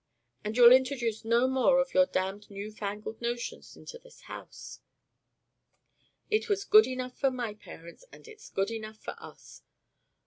But you'll introduce no more of your damned new fangled notions into this house. It was good enough for my parents, and it's good enough for us.